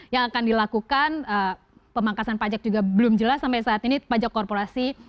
yang akan dilakukan pemangkasan pajak juga belum jelas sampai saat ini pajak korporasi